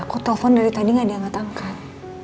kok telfon dari tadi nggak ada yang ngetangkan